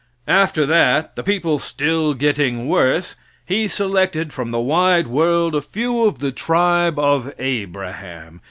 After that, the people still getting worse, he selected from the wide world a few of the tribe of Abraham.